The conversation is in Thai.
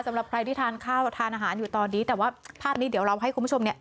สำหรับใครที่ทานข้าวทานอาหารอยู่ตอนนี้แต่ว่าภาพนี้เดี๋ยวเราให้คุณผู้ชมเนี่ย